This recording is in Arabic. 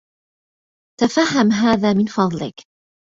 تفهّم هذا من فضلك.